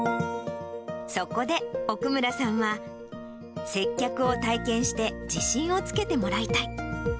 そこで奥村さんは、接客を体験して、自信をつけてもらいたい。